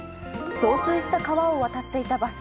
増水した川を渡っていたバス。